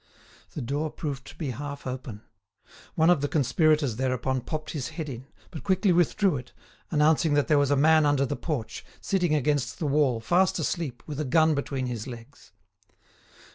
The door proved to be half open. One of the conspirators thereupon popped his head in, but quickly withdrew it, announcing that there was a man under the porch, sitting against the wall fast asleep, with a gun between his legs.